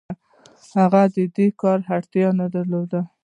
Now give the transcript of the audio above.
خو هغه د دې کار وړتیا نه درلوده